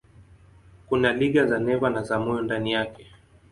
Kuna liga za neva na za moyo ndani yake.